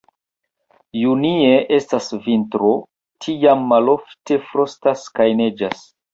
Junie estas vintro, tiam malofte frostas kaj neĝas.